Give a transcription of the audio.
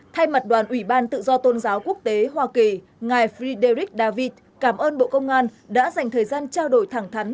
thay mặt đoàn ủy ban tự do tôn giáo quốc tế hoa kỳ ngài friedrich david cảm ơn bộ công an đã dành thời gian trao đổi thẳng thắn